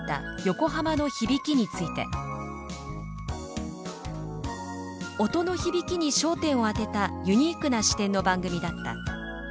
横浜の響き」について「音の響きに焦点を当てたユニークな視点の番組だった」